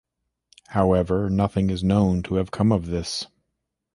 However, nothing is known to have come of this.